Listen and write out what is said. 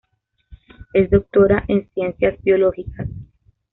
Es doctora en Ciencias Biológicas.